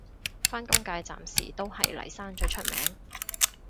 返工界暫時都係嚟生最出名